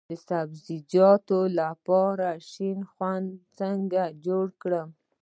د سبزیجاتو لپاره شنه خونه څنګه جوړه کړم؟